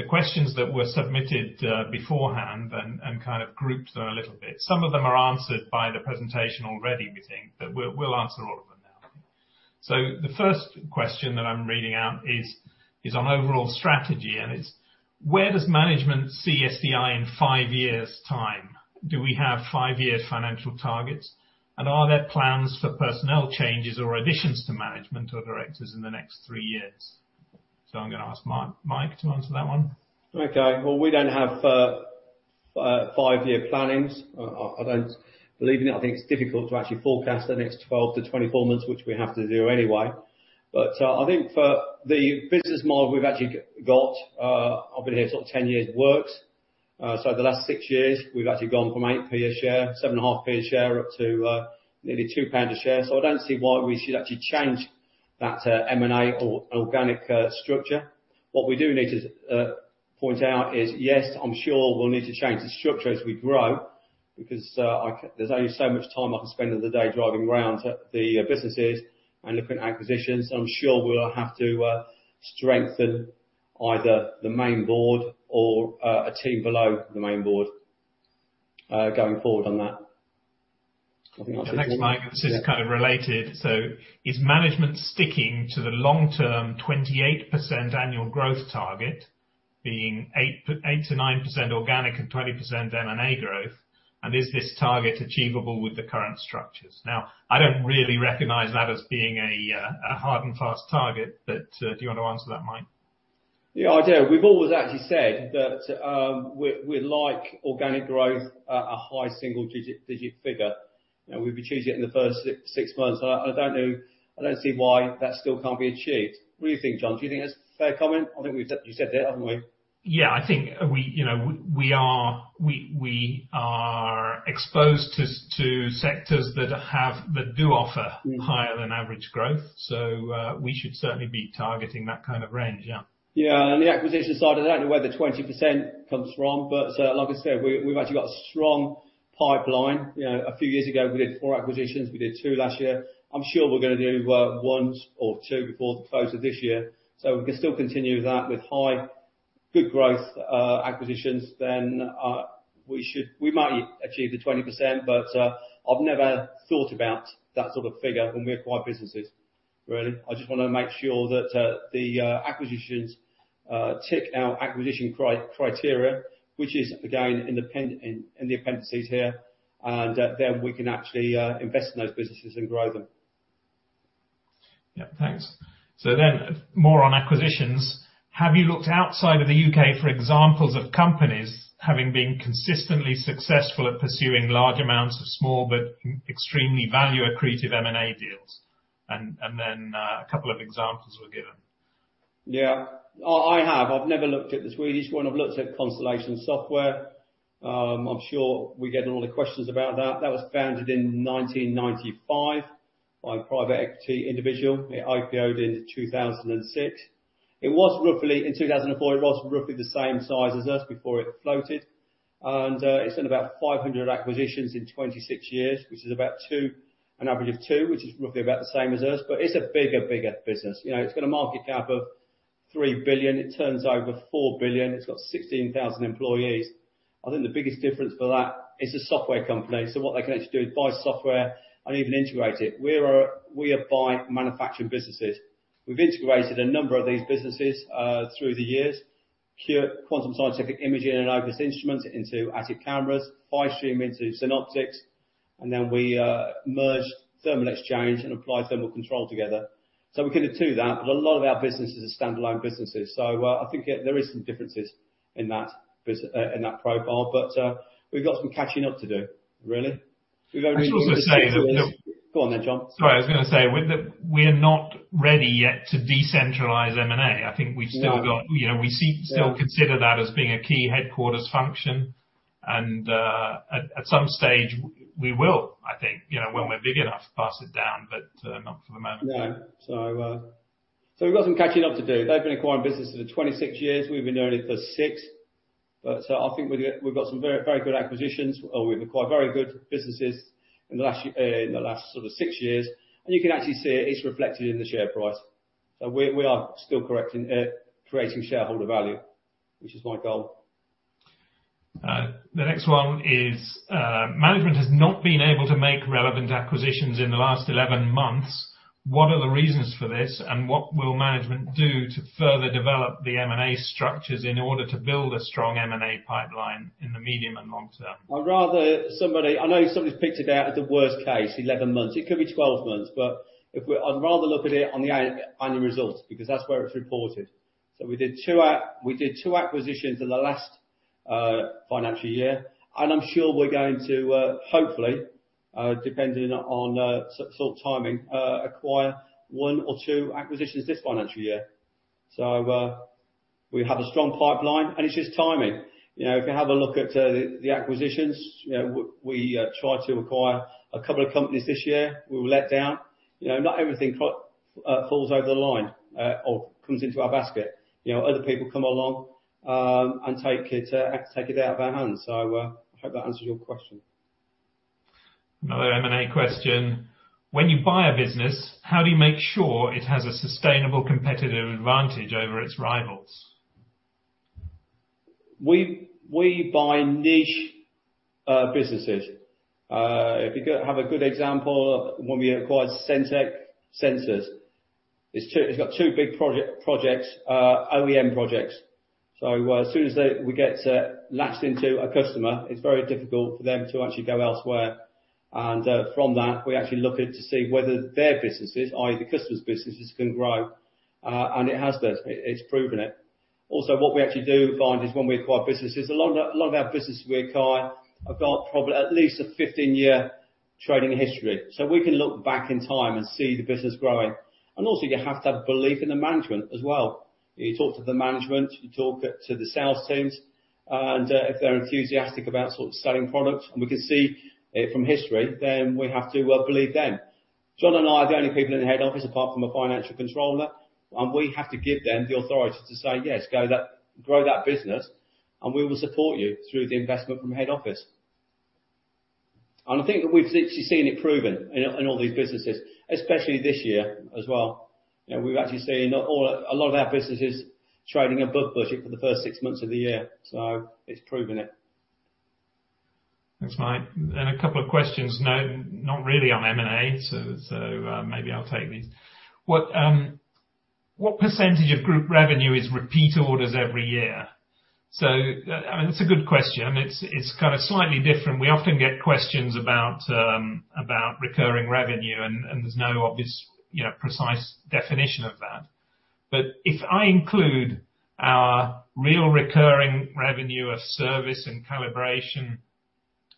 the questions that were submitted beforehand and kind of grouped them a little bit. Some of them are answered by the presentation already, we think, but we'll answer all of them now. The first question that I'm reading out is on overall strategy, and it's: Where does management see SDI in five years' time? Do we have five-year financial targets? And are there plans for personnel changes or additions to management or Directors in the next three years? I'm gonna ask Mike to answer that one. Okay. Well, we don't have five-year planning. I don't believe in it. I think it's difficult to actually forecast the next 12 to 24 months, which we have to do anyway. I think for the business model we've actually got works. I've been here sort of 10 years. The last six years, we've actually gone from 0.08 a share, GBP 0.07.5 a share, up to nearly 0.02 pounds a share. I don't see why we should actually change that, M&A or organic structure. What we do need to point out is, yes, I'm sure we'll need to change the structure as we grow because there's only so much time I can spend in the day driving around the businesses and looking at acquisitions. I'm sure we'll have to strengthen either the main Board or a team below the main Board, going forward on that. I think that's it. The next, Mike, this is kind of related. Is management sticking to the long-term 28% annual growth target being 8%-9% organic and 20% M&A growth? And is this target achievable with the current structures? Now, I don't really recognize that as being a hard and fast target, but do you wanna answer that, Mike? Yeah, I do. We've always actually said that, we like organic growth, a high single-digit figure. You know, we've achieved it in the first six months. I don't know. I don't see why that still can't be achieved. What do you think, John? Do you think that's a fair comment? I think we've said you said it, haven't we? Yeah, I think we, you know, we are exposed to sectors that do offer higher than average growth. We should certainly be targeting that kind of range. Yeah. Yeah. The acquisition side of that and where the 20% comes from. Like I said, we've actually got a strong pipeline. You know, a few years ago, we did four acquisitions. We did two last year. I'm sure we're gonna do one or two before the close of this year. If we can still continue that with high, good growth acquisitions, then we should. We might achieve the 20%, but I've never thought about that sort of figure when we acquire businesses, really. I just wanna make sure that the acquisitions tick our acquisition criteria, which is again in the appendices here, and then we can actually invest in those businesses and grow them. Yeah, thanks. More on acquisitions. Have you looked outside of the U.K. for examples of companies having been consistently successful at pursuing large amounts of small but extremely value-accretive M&A deals? A couple of examples were given. Yeah. I have. I've never looked at this. Well, each one I've looked at Constellation Software. I'm sure we're getting all the questions about that. That was founded in 1995 by a private equity individual. It IPOD in 2006. It was roughly in 2004, it was roughly the same size as us before it floated. It's done about 500 acquisitions in 26 years, which is an average of 2, which is roughly about the same as us, but it's a bigger business. You know, it's got a market cap of 3 billion. It turns over 4 billion. It's got 16,000 employees. I think the biggest difference for that, it's a software company. So what they can actually do is buy software and even integrate it. We are buying manufacturing businesses. We've integrated a number of these businesses through the years. Quantum Scientific Imaging and Opus Instruments into Atik Cameras. Fistreem into Synoptics. We merged Thermal Exchange and Applied Thermal Control together. We could have two of that, but a lot of our businesses are standalone businesses. I think there is some differences in that profile, but we've got some catching up to do, really. We've only been doing this for I should also say that. Go on then, John. Sorry. I was gonna say, We're not ready yet to decentralize M&A. I think we've still got- No. You know, we still consider that as being a key headquarters function. At some stage we will, I think, you know, when we're big enough, pass it down, but not for the moment. No. We've got some catching up to do. They've been acquiring businesses for 26 years. We've been doing it for six. I think we've got some very, very good acquisitions, or we've acquired very good businesses in the last sort of six years. You can actually see it's reflected in the share price. We are still correct in creating shareholder value, which is my goal. Management has not been able to make relevant acquisitions in the last 11 months. What are the reasons for this, and what will management do to further develop the M&A structures in order to build a strong M&A pipeline in the medium and long term? I'd rather somebody I know somebody's picked it out as a worst case, 11 months. It could be 12 months, but I'd rather look at it on the annual results because that's where it's reported. We did two acquisitions in the last financial year, and I'm sure we're going to hopefully, depending on timing, acquire one or two acquisitions this financial year. We have a strong pipeline, and it's just timing. You know, if you have a look at the acquisitions, you know, we tried to acquire a couple of companies this year. We were let down. You know, not everything falls over the line or comes into our basket. You know, other people come along, and take it out of our hands. I hope that answers your question. Another M&A question. When you buy a business, how do you make sure it has a sustainable competitive advantage over its rivals? We buy niche businesses. Have a good example, when we acquired Sentek. It's got two big projects, OEM projects. As soon as we get latched into a customer, it's very difficult for them to actually go elsewhere. From that, we actually look at to see whether their businesses, i.e. the customer's businesses, can grow. It has done. It's proven it. What we actually do find is when we acquire businesses, a lot of our businesses we acquire have got probably at least a 15-year trading history. We can look back in time and see the business growing. You have to have belief in the management as well. You talk to the management, you talk to the sales teams, and if they're enthusiastic about sort of selling products, and we can see it from history, then we have to believe them. John and I are the only people in the head office apart from a financial controller, and we have to give them the authority to say, "Yes, grow that business, and we will support you through the investment from head office." I think that we've literally seen it proven in all these businesses, especially this year as well. You know, we've actually seen a lot of our businesses trading above budget for the first six months of the year. It's proven it. Thanks, Mike. A couple of questions, no, not really on M&A, so maybe I'll take these. What percentage of group revenue is repeat orders every year? I mean, that's a good question. It's kind of slightly different. We often get questions about recurring revenue, and there's no obvious, you know, precise definition of that. But if I include our real recurring revenue of service and calibration,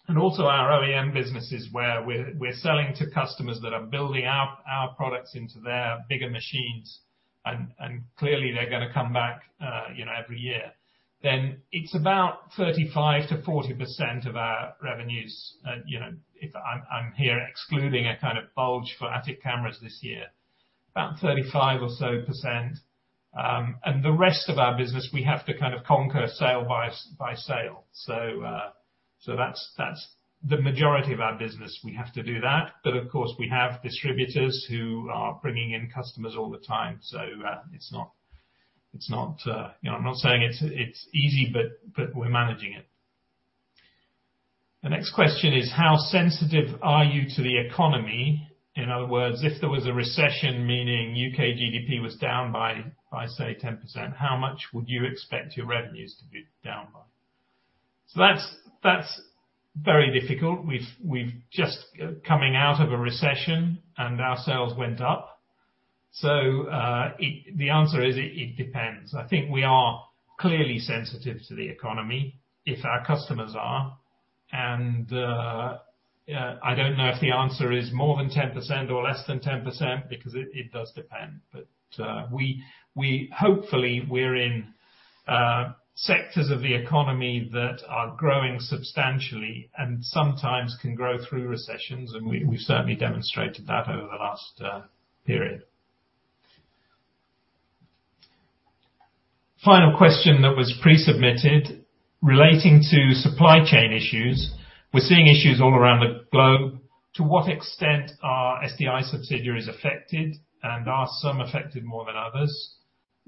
and also our OEM businesses where we're selling to customers that are building out our products into their bigger machines, and clearly they're gonna come back, you know, every year, then it's about 35%-40% of our revenues. You know, if I'm here excluding a kind of bulge for Atik Cameras this year, about 35% or so. The rest of our business, we have to kind of conquer sale by sale. That's the majority of our business, we have to do that. But of course, we have distributors who are bringing in customers all the time. It's not, you know, I'm not saying it's easy, but we're managing it. The next question is, how sensitive are you to the economy? In other words, if there was a recession, meaning U.K. GDP was down by, say, 10%, how much would you expect your revenues to be down by? That's very difficult. We've just coming out of a recession and our sales went up. The answer is, it depends. I think we are clearly sensitive to the economy if our customers are, and I don't know if the answer is more than 10% or less than 10% because it does depend. We hopefully we're in sectors of the economy that are growing substantially and sometimes can grow through recessions, and we've certainly demonstrated that over the last period. Final question that was pre-submitted relating to supply chain issues. We're seeing issues all around the globe. To what extent are SDI subsidiaries affected, and are some affected more than others?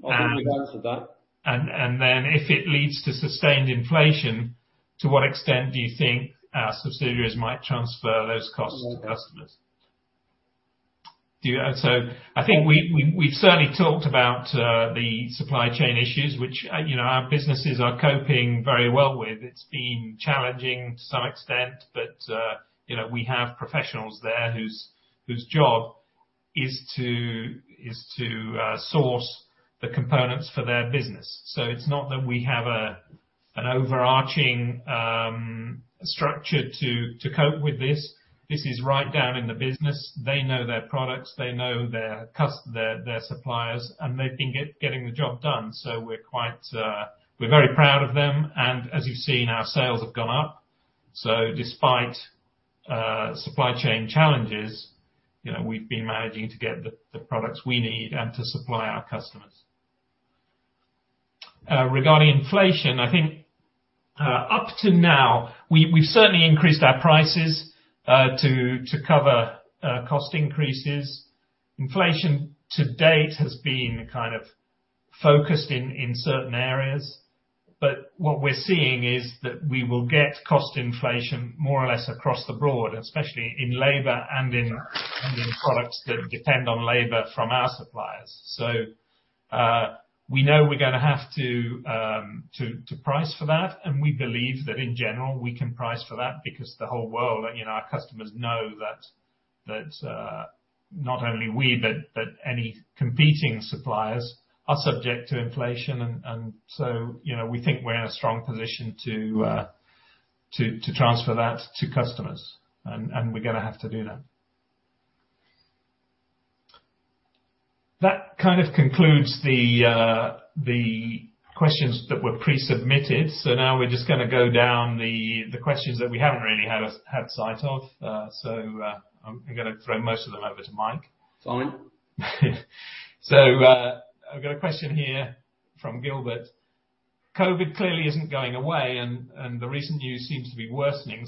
And- I think we've answered that. Then if it leads to sustained inflation, to what extent do you think our subsidiaries might transfer those costs to customers? So I think we've certainly talked about the supply chain issues, which you know, our businesses are coping very well with. It's been challenging to some extent, but you know, we have professionals there whose job is to source the components for their business. So it's not that we have a an overarching structure to cope with this. This is right down in the business. They know their products, they know their suppliers, and they've been getting the job done. So we're very proud of them. As you've seen, our sales have gone up. Despite supply chain challenges, you know, we've been managing to get the products we need and to supply our customers. Regarding inflation, I think up to now, we've certainly increased our prices to cover cost increases. Inflation to date has been kind of focused in certain areas. What we're seeing is that we will get cost inflation more or less across the board, especially in labor and in products that depend on labor from our suppliers. We know we're gonna have to price for that, and we believe that in general, we can price for that because the whole world, you know, our customers know that not only we but any competing suppliers are subject to inflation. You know, we think we're in a strong position to transfer that to customers, and we're gonna have to do that. That kind of concludes the questions that were pre-submitted. Now we're just gonna go down the questions that we haven't really had sight of. I'm gonna throw most of them over to Mike. Fine. I've got a question here from Gilbert. COVID clearly isn't going away and the recent news seems to be worsening.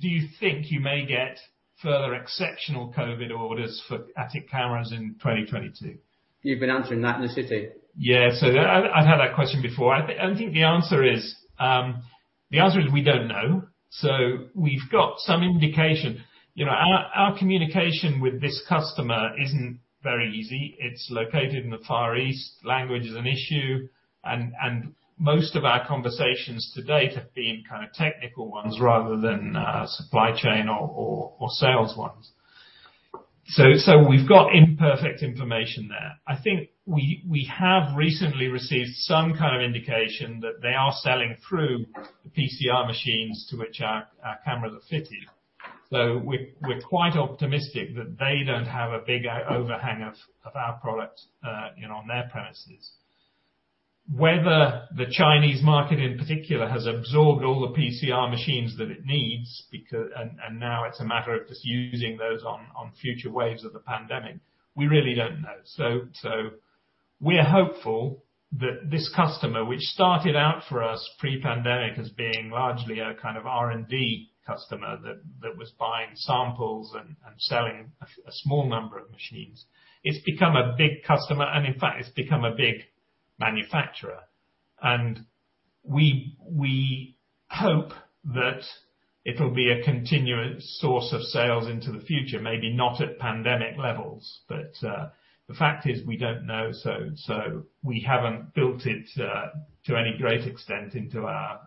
Do you think you may get further exceptional COVID orders for Atik Cameras in 2022? You've been answering that in the city. Yeah. I've had that question before. I think the answer is we don't know. We've got some indication. You know, our communication with this customer isn't very easy. It's located in the Far East. Language is an issue, and most of our conversations to date have been kind of technical ones rather than supply chain or sales ones. We've got imperfect information there. I think we have recently received some kind of indication that they are selling through PCR machines to which our cameras are fitted. We're quite optimistic that they don't have a big overhang of our product, you know, on their premises. Whether the Chinese market, in particular, has absorbed all the PCR machines that it needs and now it's a matter of just using those on future waves of the pandemic, we really don't know. We're hopeful that this customer, which started out for us pre-pandemic as being largely a kind of R&D customer that was buying samples and selling a small number of machines. It's become a big customer and in fact, it's become a big manufacturer. We hope that it'll be a continuous source of sales into the future, maybe not at pandemic levels. The fact is we don't know, so we haven't built it to any great extent into our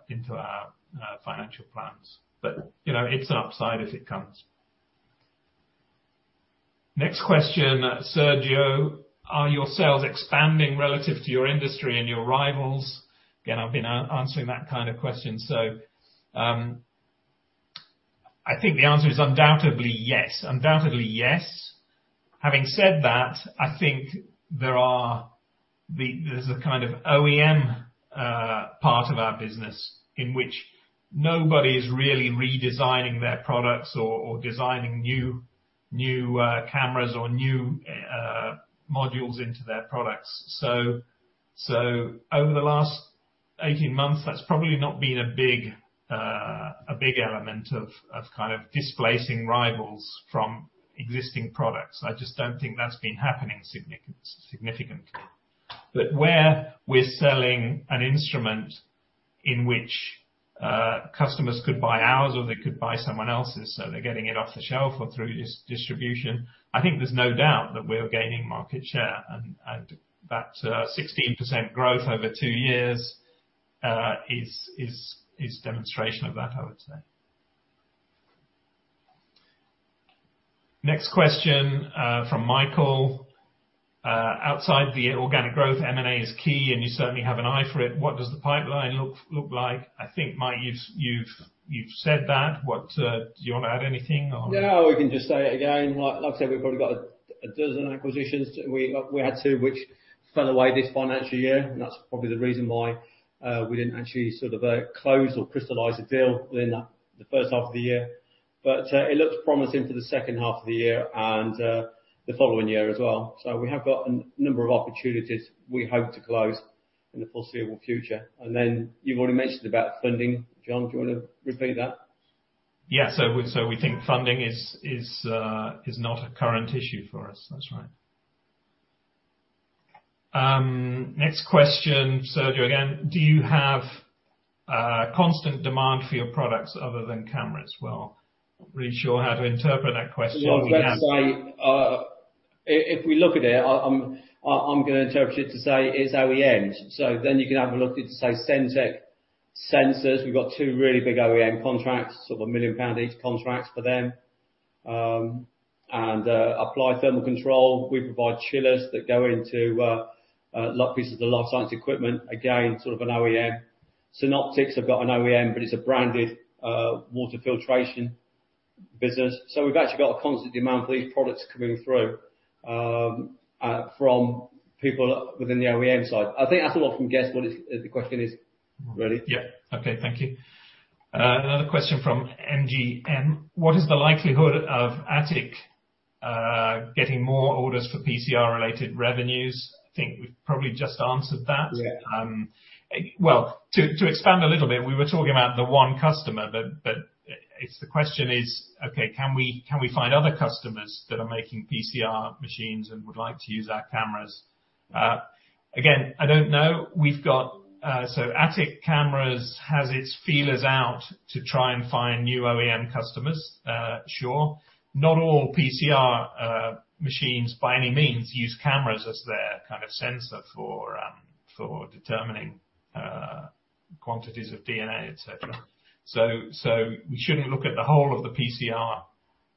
financial plans. You know, it's an upside as it comes. Next question. Sergio, are your sales expanding relative to your industry and your rivals? Again, I've been answering that kind of question. I think the answer is undoubtedly yes. Undoubtedly yes. Having said that, I think there is a kind of OEM part of our business in which nobody is really redesigning their products or designing new cameras or new modules into their products. Over the last 18 months, that's probably not been a big element of kind of displacing rivals from existing products. I just don't think that's been happening significantly. But where we're selling an instrument in which customers could buy ours or they could buy someone else's, so they're getting it off the shelf or through distribution, I think there's no doubt that we're gaining market share. That 16% growth over two years is demonstration of that, I would say. Next question from Michael. Outside the organic growth, M&A is key, and you certainly have an eye for it. What does the pipeline look like? I think, Mike, you've said that. What do you wanna add anything or? Yeah. We can just say it again. Like I said, we've probably got a dozen acquisitions. We had two which fell away this financial year, and that's probably the reason why we didn't actually sort of close or crystallize a deal within the first half of the year. It looks promising for the second half of the year and the following year as well. We have got a number of opportunities we hope to close in the foreseeable future. You've already mentioned about funding. John, do you wanna repeat that? We think funding is not a current issue for us. That's right. Next question, Sergio again. Do you have a constant demand for your products other than cameras? Well, I'm not really sure how to interpret that question. We have- Yeah. Let's say, if we look at it, I'm gonna interpret it to say is OEMs. You can have a look at, say, Sentek sensors. We've got two really big OEM contracts, sort of 1 million pound each contracts for them. Applied Thermal Control, we provide chillers that go into pieces of the life science equipment. Again, sort of an OEM. Synoptics have got an OEM, but it's a branded water filtration business. We've actually got a constant demand for these products coming through from people within the OEM side. I think that's a lot from what the question is really. Yeah. Okay. Thank you. Another question from MG. What is the likelihood of Atik getting more orders for PCR-related revenues? I think we've probably just answered that. Yeah. Well, to expand a little bit, we were talking about the one customer, but it's the question, okay, can we find other customers that are making PCR machines and would like to use our cameras? Again, I don't know. We've got so Atik Cameras has its feelers out to try and find new OEM customers, sure. Not all PCR machines by any means use cameras as their kind of sensor for determining quantities of DNA, et cetera. So we shouldn't look at the whole of the PCR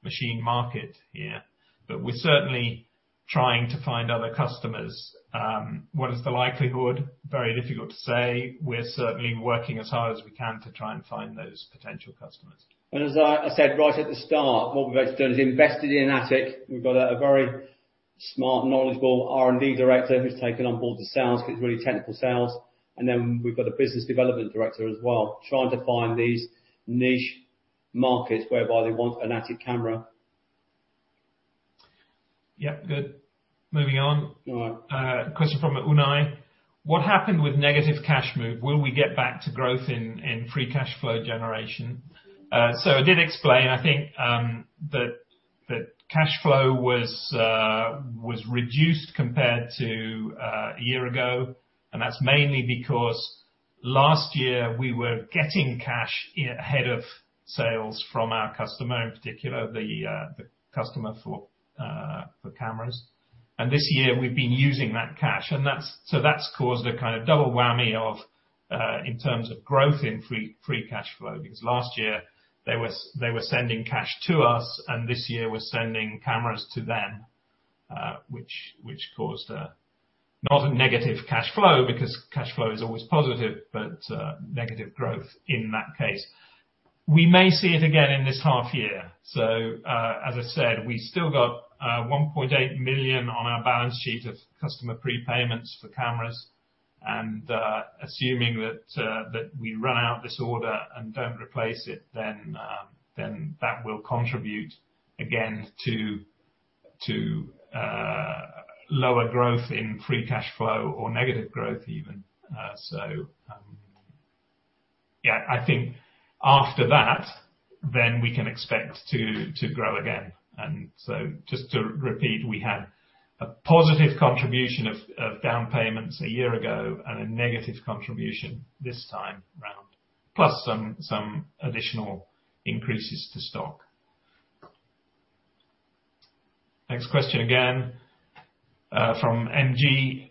machine market here, but we're certainly trying to find other customers. What is the likelihood? Very difficult to say. We're certainly working as hard as we can to try and find those potential customers. As I said right at the start, what we've actually done is invested in Atik. We've got a very smart, knowledgeable R&D Director who's taken on Board the sales because it's really technical sales. Then we've got a Business Development Director as well, trying to find these niche markets whereby they want an Atik camera. Yeah. Good. Moving on. All right. A question from Unai. What happened with negative cash flow? Will we get back to growth in free cash flow generation? I did explain, I think, that the cash flow was reduced compared to a year ago, and that's mainly because last year we were getting cash ahead of sales from our customer, in particular the customer for cameras. This year we've been using that cash, and that's caused a kind of double whammy in terms of growth in free cash flow, because last year they were sending cash to us, and this year we're sending cameras to them, which caused not a negative cash flow because cash flow is always positive, but negative growth in that case. We may see it again in this half year. As I said, we still got 1.8 million on our balance sheet of customer prepayments for cameras, and assuming that we run out this order and don't replace it, then that will contribute again to lower growth in free cash flow or negative growth even. I think after that, then we can expect to grow again. Just to repeat, we had a positive contribution of down payments a year ago and a negative contribution this time around, plus some additional increases to stock. Next question again from MG.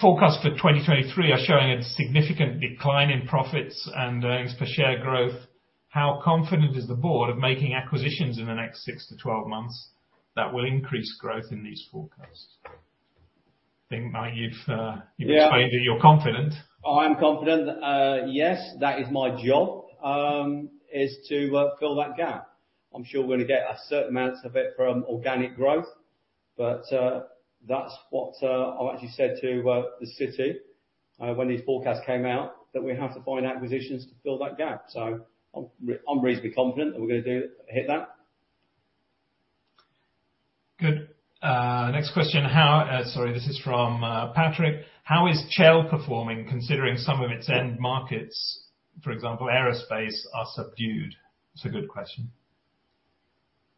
Forecasts for 2023 are showing a significant decline in profits and earnings per share growth. How confident is the board of making acquisitions in the next 6-12 months that will increase growth in these forecasts? I think, Mike, you've Yeah. You've explained that you're confident. I'm confident. Yes, that is my job to fill that gap. I'm sure we're gonna get a certain amount of it from organic growth, but that's what I've actually said to the city when these forecasts came out, that we have to find acquisitions to fill that gap. I'm reasonably confident that we're gonna do it, hit that. Good. Next question. Sorry, this is from Patrick. How is Chell performing, considering some of its end markets, for example, aerospace, are subdued? It's a good question.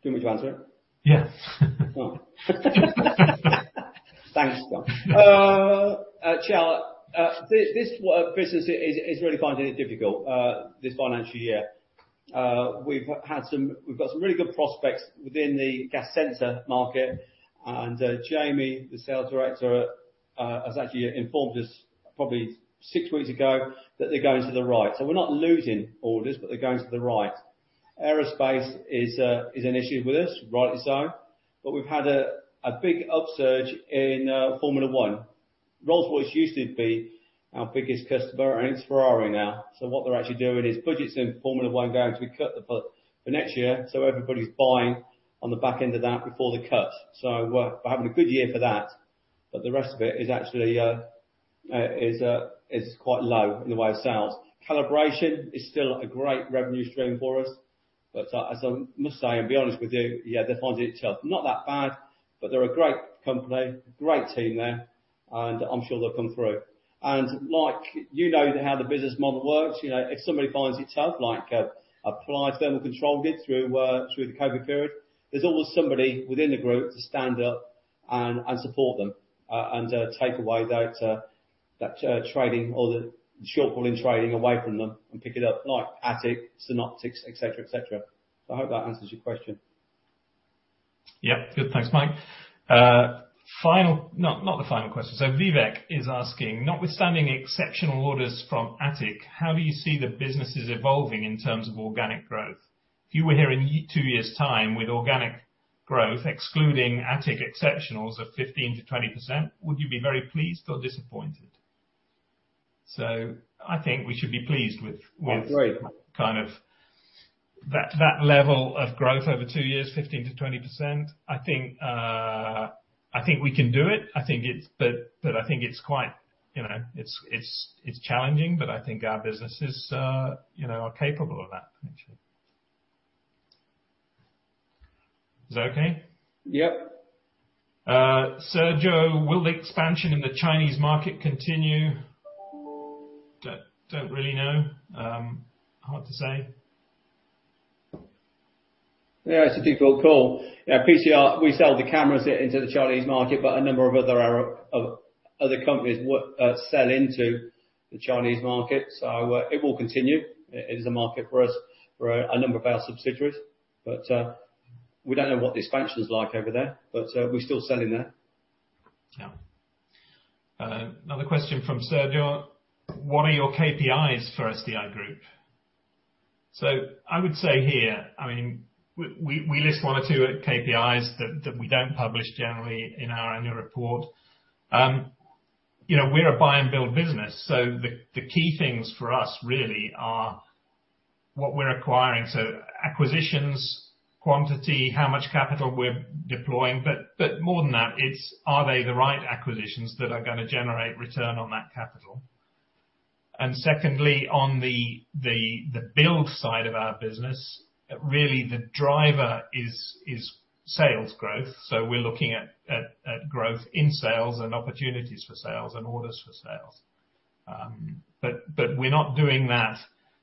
Do you want me to answer it? Yes. Oh. Thanks, though. Chell. This business is really finding it difficult this financial year. We've got some really good prospects within the gas sensor market, and Jamie, the Sales Director, has actually informed us probably six weeks ago that they're going to trial. We're not losing orders, but they're going to trial. Aerospace is an issue with us, rightly so, but we've had a big upsurge in Formula 1. Rolls-Royce used to be our biggest customer, and it's Ferrari now. What they're actually doing is budgets in Formula 1 going to be cut for next year, so everybody's buying on the back end of that before the cut. We're having a good year for that. The rest of it is actually quite low in the way of sales. Calibration is still a great revenue stream for us. As I must say, and be honest with you, yeah, they're finding it in itself not that bad, but they're a great company, great team there, and I'm sure they'll come through. Like you know how the business model works. You know, if somebody finds itself like Applied Thermal Control did through the COVID period, there's always somebody within the Group to stand up and support them, and take away that shortfall in trading away from them and pick it up like Atik, Synoptics, et cetera, et cetera. I hope that answers your question. Yeah. Good. Thanks, Mike. No, not the final question. Vivek is asking, notwithstanding exceptional orders from Atik, how do you see the businesses evolving in terms of organic growth? If you were here in two years' time with organic growth, excluding Atik exceptionals of 15%-20%, would you be very pleased or disappointed? I think we should be pleased with what- Agreed. Kind of that level of growth over two years, 15%-20%. I think we can do it. I think it's quite, you know, it's challenging, but I think our businesses, you know, are capable of that potentially. Is that okay? Yep. Sergio, will the expansion in the Chinese market continue? Don't really know. Hard to say. Yeah, it's a difficult call. Yeah, PCR, we sell the cameras into the Chinese market, but a number of other companies sell into the Chinese market. It will continue. It is a market for us, for a number of our subsidiaries. We don't know what the expansion's like over there, but we're still selling there. Another question from Sergio. What are your KPIs for SDI Group? I would say here, I mean, we list one or two KPIs that we don't publish generally in our annual report. You know, we're a buy and build business, so the key things for us really are what we're acquiring. Acquisitions, quantity, how much capital we're deploying. More than that, it's are they the right acquisitions that are gonna generate return on that capital? Secondly, on the build side of our business, really the driver is sales growth. We're looking at growth in sales and opportunities for sales and orders for sales. We're not doing that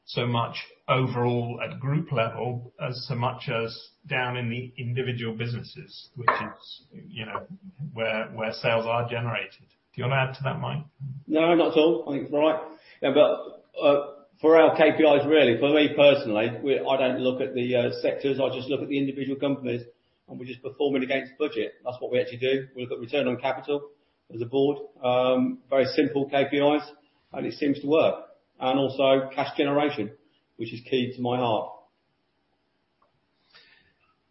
so much overall at group level as much as down in the individual businesses which is, you know, where sales are generated. Do you wanna add to that, Mike? No, not at all. I think it's all right. Yeah, but for our KPIs really, for me personally, I don't look at the sectors. I just look at the individual companies, and we're just performing against budget. That's what we actually do. We look at return on capital as a Board. Very simple KPIs, and it seems to work. Also cash generation, which is key to my heart.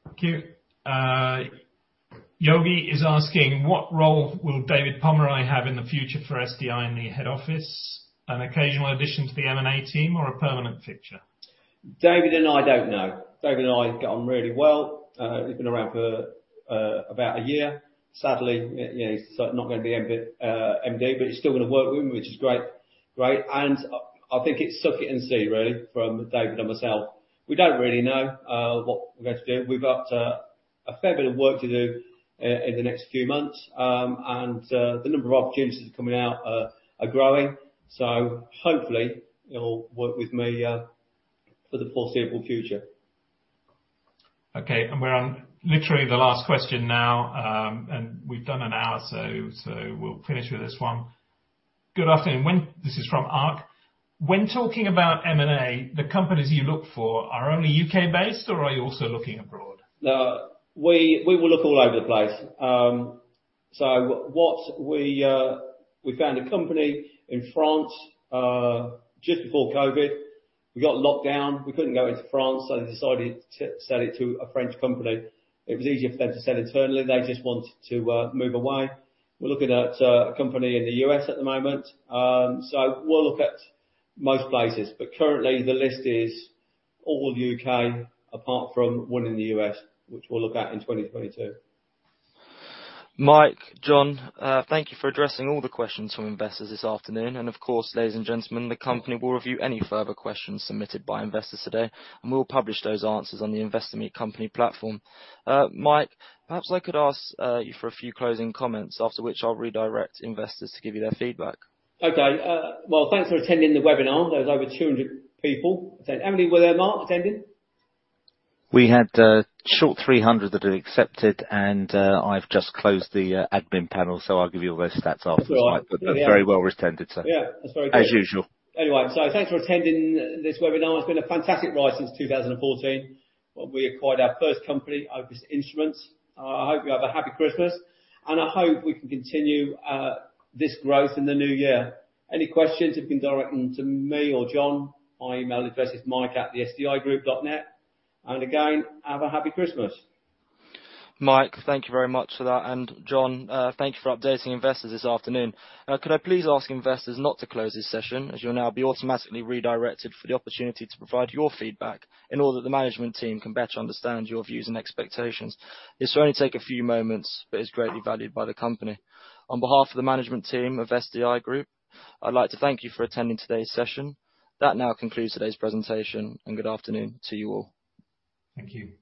Thank you. Yogi is asking: What role will David Pomeroy have in the future for SDI in the head office? An occasional addition to the M&A team or a permanent fixture? David and I don't know. David and I get on really well. He's been around for about a year. Sadly, you know, he's sort of not gonna be MD, but he's still gonna work with me, which is great. Great. I think it's suck it and see really from David and myself. We don't really know what we're going to do. We've got a fair bit of work to do in the next few months. The number of opportunities coming out are growing, so hopefully he'll work with me for the foreseeable future. Okay. We're on literally the last question now, and we've done an hour, so we'll finish with this one. Good afternoon. This is from Ark. When talking about M&A, the companies you look for are only U.K.-based or are you also looking abroad? No. We will look all over the place. What we found a company in France just before COVID. We got locked down, we couldn't go into France, so they decided to sell it to a French company. It was easier for them to sell internally. They just wanted to move away. We're looking at a company in the U.S. at the moment. We'll look at most places, but currently the list is all U.K. apart from one in the U.S., which we'll look at in 2022. Mike, John, thank you for addressing all the questions from investors this afternoon. Of course, ladies and gentlemen, the company will review any further questions submitted by investors today, and we'll publish those answers on the Investor Meet Company platform. Mike, perhaps I could ask you for a few closing comments, after which I'll redirect investors to give you their feedback. Okay. Well, thanks for attending the webinar. There was over 200 people. How many were there, Mark, attending? We had short 300 that had accepted, and I've just closed the admin panel, so I'll give you all those stats after this, Mike. All right. Very well attended. Yeah. That's very good. As usual. Anyway, thanks for attending this webinar. It's been a fantastic ride since 2014 when we acquired our first company, Opus Instruments. I hope you have a happy Christmas, and I hope we can continue this growth in the new year. Any questions, you can direct them to me or John. My email address is mike@thesdigroup.net. Again, have a happy Christmas. Mike, thank you very much for that. John, thank you for updating investors this afternoon. Could I please ask investors not to close this session, as you'll now be automatically redirected for the opportunity to provide your feedback and all that the management team can better understand your views and expectations. This will only take a few moments, but it's greatly valued by the company. On behalf of the management team of SDI Group, I'd like to thank you for attending today's session. That now concludes today's presentation, and good afternoon to you all. Thank you.